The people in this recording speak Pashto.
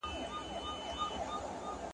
په ټولنه کي د سولې شتون د پرمختګ لومړی شرط دی.